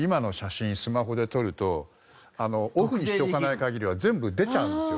スマホで撮るとオフにしとかない限りは全部出ちゃうんですよね。